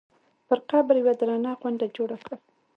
پر قبر یوه درنه غونډه جوړه کړه.